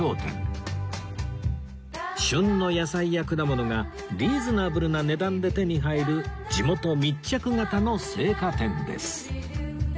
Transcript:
旬の野菜や果物がリーズナブルな値段で手に入る地元密着型の青果店です